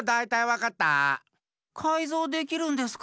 かいぞうできるんですか？